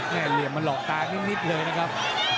เหลี่ยมมาหลอกตานิดเลยนะครับ